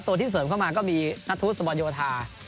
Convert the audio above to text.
ตัวที่เสริมเข้ามาก็มีนัทธวุฒสุบันโยธา